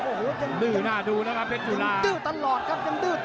โอ้โหยังดื้อตลอดครับยังดื้อต่อ